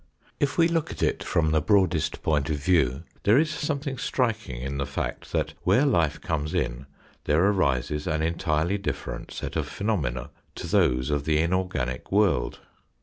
If we look at it from the broadest point of view, there is something striking in the fact that where life comes in there arises an entirely different set of phenomena to those of the inorganic world.